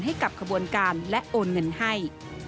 ให้กับขบวนการและโอนเงินให้